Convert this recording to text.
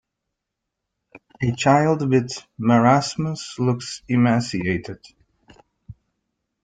A child with marasmus looks emaciated.